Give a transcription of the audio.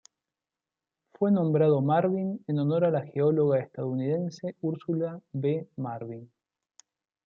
Fue nombrado Marvin en honor a la geóloga estadounidense Ursula B. Marvin.